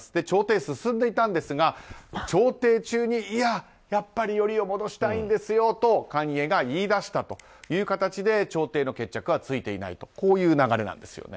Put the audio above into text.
調停が進んでいたんですが調停中に、いや、やっぱりよりを戻したいんですよとカニエが言い出したという形で調停の決着はついていないという流れなんです。